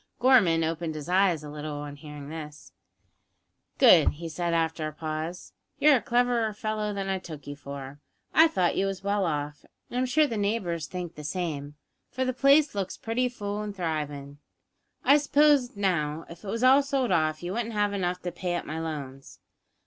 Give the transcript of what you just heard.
Gorman opened his eyes a little on hearing this. "Good," he said, after a pause; "you're a cleverer fellow than I took you for. I thought you was well off, and I'm sure the neighbours think the same, for the place looks pretty full an' thrivin'. I suppose, now, if it was all sold off you wouldn't have enough to pay up my loans?"